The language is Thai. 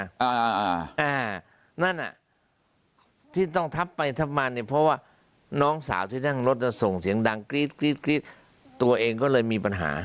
อ่าอ่านั่นอ่ะที่ต้องทับไปทับมาเนี่ยเพราะว่าน้องสาวที่นั่งรถน่ะส่งเสียงดังกรี๊ดกรี๊ดกรี๊ดตัวเองก็เลยมีปัญหา